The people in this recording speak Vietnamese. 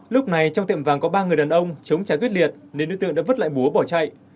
lúc này trong tiệm vàng có ba người đàn ông chống trả quyết liệt nên đối tượng đã vứt lại búa bỏ chạy